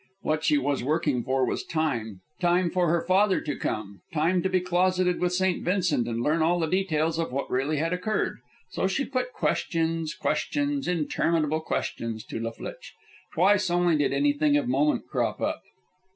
What she was working for was time time for her father to come, time to be closeted with St. Vincent and learn all the details of what really had occurred. So she put questions, questions, interminable questions, to La Flitche. Twice only did anything of moment crop up.